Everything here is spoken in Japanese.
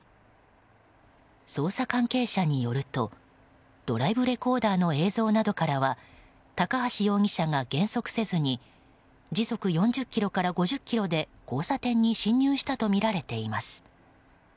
捜査関係者によるとドライブレコーダーの映像などからは高橋容疑者が減速せずに時速４０キロから５０キロで交差点に進入したとみられています。